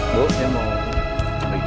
terima kasih ya pak ya